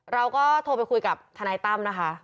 เราก็โทรไปคุยกับทนายตั้มนะคะ